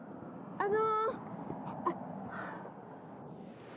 あの。